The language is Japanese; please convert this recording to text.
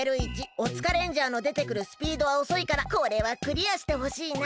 オツカレンジャーのでてくるスピードはおそいからこれはクリアしてほしいな。